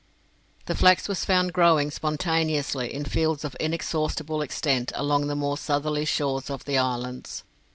The flax was found growing spontaneously in fields of inexhaustible extent along the more southerly shores of the islands.